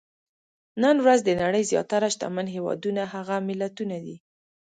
نن ورځ د نړۍ زیاتره شتمن هېوادونه هغه ملتونه دي.